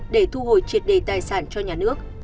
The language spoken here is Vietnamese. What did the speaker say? để thu hồi triệt đề tài sản cho nhà nước